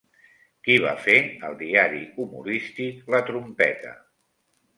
Qui va fer el diari humorístic La Trompeta?